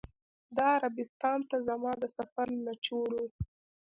دا عربستان ته زما د سفر نچوړ و.